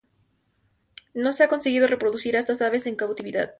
No se ha conseguido reproducir a estas aves en cautividad.